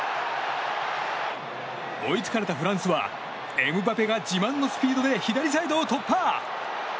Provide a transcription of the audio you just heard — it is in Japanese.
追いつかれたフランスはエムバペが自慢のスピードで左サイドを突破。